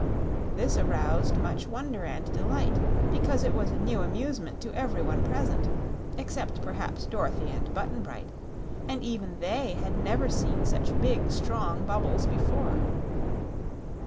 This aroused much wonder and delight because it was a new amusement to every one present except perhaps Dorothy and Button Bright, and even they had never seen such big, strong bubbles before.